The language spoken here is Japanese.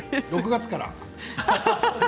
６月から。